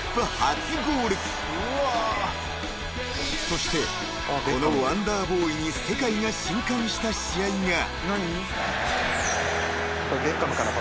［そしてこのワンダーボーイに世界が震撼した試合が］